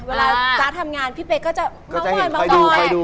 เวลาสร้างทำงานพี่เป๊กก็จะมาไวนมาต่อย